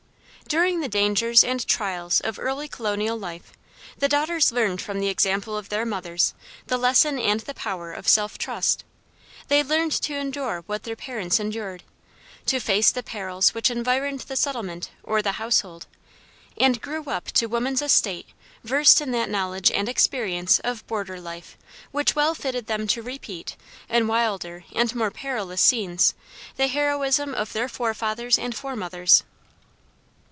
During the dangers and trials of early colonial life, the daughters learned from the example of their mothers the lesson and the power of self trust; they learned to endure what their parents endured, to face the perils which environed the settlement or the household, and grew up to woman's estate versed in that knowledge and experience of border life which well fitted them to repeat, in wilder and more perilous scenes, the heroism of their forefathers and foremothers.